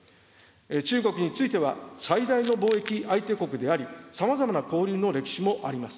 中国については最大の貿易相手国であり、さまざまな交流の歴史もあります。